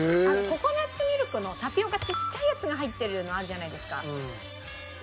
ココナッツミルクのタピオカちっちゃいやつが入ってるのあるじゃないですか。